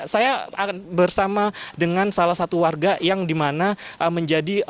saya bersama dengan salah satu warga yang dimana menjadi